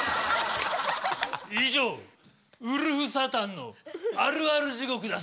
以上ウルフサタンのあるあるじごくだ。